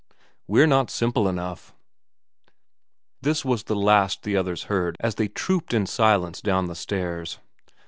We're not simple enough.' This was the last the others heard as they trooped in silence down the stairs.